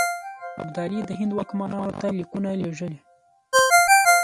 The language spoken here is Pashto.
ابدالي د هند واکمنانو ته لیکونه لېږلي.